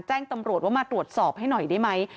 แจ้งตำรวจว่ามาตรวจสอบให้หน่อยได้ไหม